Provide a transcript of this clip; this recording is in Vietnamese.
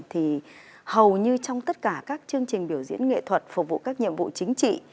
thì hầu như trong tất cả các chương trình biểu diễn nghệ thuật phục vụ các nhiệm vụ chính trị